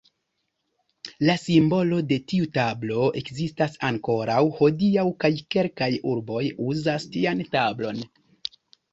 La simbolo de tiu tablo ekzistas ankoraŭ hodiaŭ kaj kelkaj urboj uzas tian tablon.